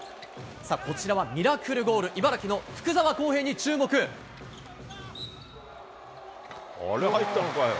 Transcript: こちらはミラクルゴール、茨城のあれ、入ったのかよ。